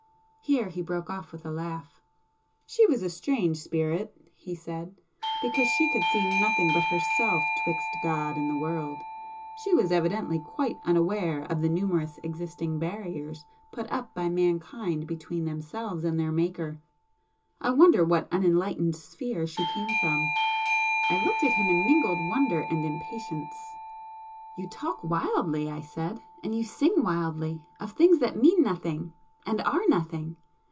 Here he broke off with a laugh. "She was a strange Spirit,"—he said—"because she could see nothing but herself ''twixt God and the world.' She was evidently quite unaware of the numerous existing barriers put up by mankind between themselves and their Maker. I wonder what unenlightened sphere she came from!" I looked at him in mingled wonder and impatience. "You talk wildly,"—I said—"And you sing wildly. Of things that mean nothing, and are nothing."